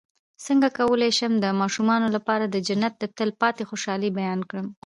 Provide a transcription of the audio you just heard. څنګه کولی شم د ماشومانو لپاره د جنت د تل پاتې خوشحالۍ بیان کړم